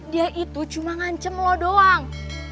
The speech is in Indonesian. dia itu cuma ngancam lo doang